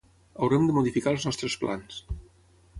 Haurem de modificar els nostres plans.